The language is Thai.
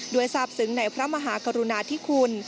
ด้วยทราบสึงในพระมหากรุณาธิคุณ